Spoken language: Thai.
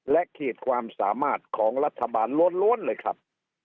ขีดความสามารถของรัฐบาลล้วนเลยครับ